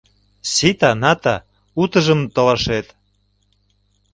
Сита, Ната, утыжым толашет.